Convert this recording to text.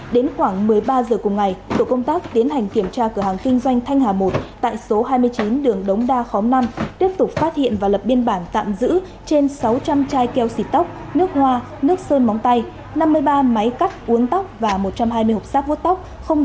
đến khoảng một mươi ba h cùng ngày tổ công tác tiến hành kiểm tra cửa hàng kinh doanh thanh hà một tại số hai mươi chín đường đống đa khóm năm tiếp tục phát hiện và lập biên bản tạm giữ trên sáu trăm linh chai keo xịt tóc nước hoa nước sơn móng tay năm mươi ba máy cắt uốn tóc và một trăm hai mươi hộp sáp vo tóc